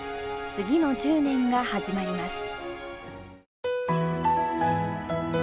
次の１０年が始まります。